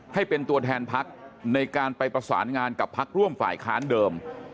ให้เป็นตัวแทนพักในการไปประสานงานกับพักร่วมฝ่ายค้านเดิม